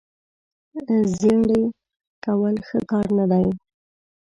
زیړې کول ښه کار نه دی.